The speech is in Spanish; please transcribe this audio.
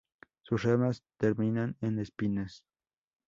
Sus ramas terminan en espinas.